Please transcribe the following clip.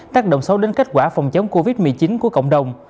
tác động sâu đến kết quả phòng chống covid một mươi chín của cộng đồng